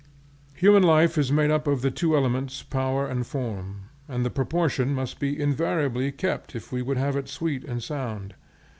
Human life is made up of the two elements, power and form, and the proportion must be invariably kept if we would have it sweet and sound.